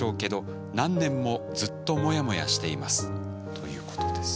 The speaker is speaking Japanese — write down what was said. ということです。